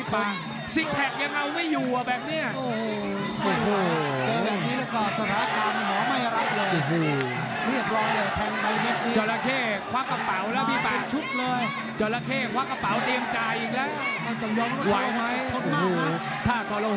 ตากหรือเปล่าแบบนี้พี่ปาน